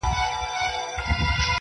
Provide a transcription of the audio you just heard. او احساسات يې خوځېږي ډېر-